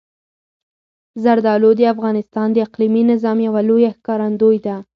زردالو د افغانستان د اقلیمي نظام یوه لویه ښکارندوی ده.